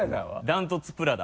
ダントツプラダ。